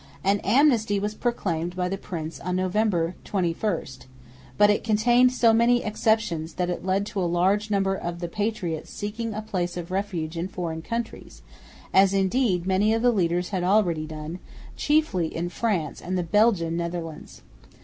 An amnesty was proclaimed by the prince on November 21, but it contained so many exceptions that it led to a large number of the patriots seeking a place of refuge in foreign countries, as indeed many of the leaders had already done, chiefly in France and the Belgian Netherlands.